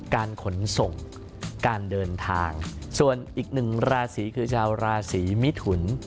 การขนส่งการเดินทางส่วนอีกหนึ่งราศีคือชาวราศีมิถุน